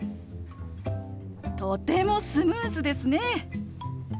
とてもスムーズですね！